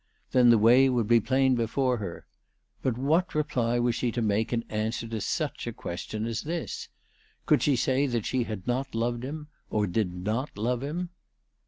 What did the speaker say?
Then the way would be plain before her. But what reply was she to make in answer to such a question as this? Could she, say that she had not loved him, or did not love him